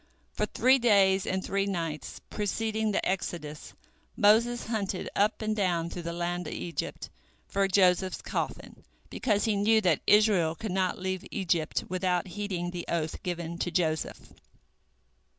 For three days and three nights preceding the exodus Moses hunted up and down through the land of Egypt for Joseph's coffin, because he knew that Israel could not leave Egypt without heeding the oath given to Joseph.